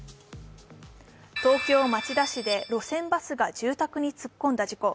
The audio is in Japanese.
東京・町田市で路線バスが住宅に突っ込んだ事故。